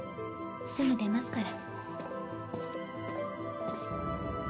すぐ出ますから。